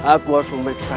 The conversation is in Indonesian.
aku harus memperiksa